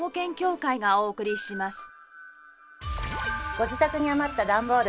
ご自宅に余った段ボール。